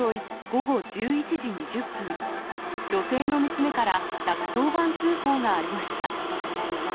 午後１１時２０分、女性の娘から１１０番通報がありました。